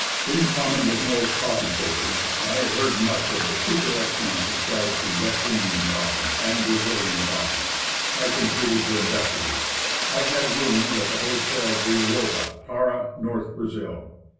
In common with most coffee topers, I had heard much of the super excellence ascribed to "West India coffee" and "Bra zilian coffee.' I concluded to investigate. I had rooms at the Hotel d'Europe, Para, North Brazil.